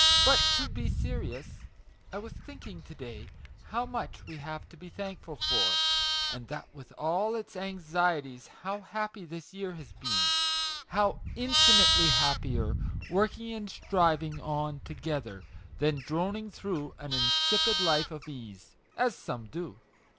" But to be serious : I was thinking, to day, how much we have to be thankful for ; and that with all its anxieties how happy this year has been how infinitely happier, working and striving on together, than droning through an insipid life of ease, as some do.